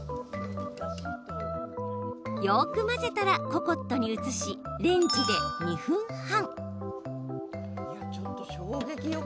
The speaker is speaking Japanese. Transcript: よく混ぜたら、ココットに移しレンジで２分半。